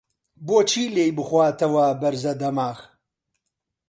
بۆ چی لێی بخواتەوە بەرزە دەماخ؟!